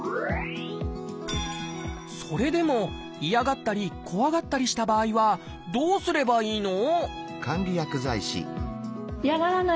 それでも嫌がったり怖がったりした場合はどうすればいいの？